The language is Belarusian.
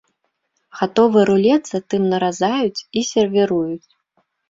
Гатовы рулет затым наразаюць і сервіруюць.